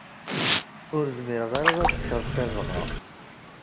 Ur zmireɣ ara ad ččeɣ tabɣa.